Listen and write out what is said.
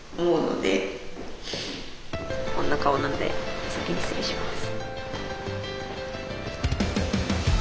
こんな顔なんで先に失礼します。